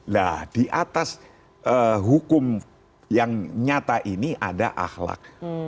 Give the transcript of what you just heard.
nah di atas hukum yang nyata ini ada ahlak